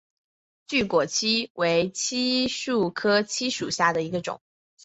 巨果槭为槭树科槭属下的一个种。